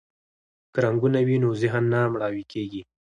که رنګونه وي نو ذهن نه مړاوی کیږي.